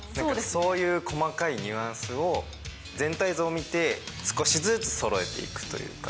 そういう細かいニュアンスを、全体図を見て少しずつそろえていくというか。